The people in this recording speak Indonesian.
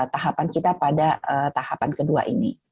dan juga kemampuan kita pada tahapan kedua ini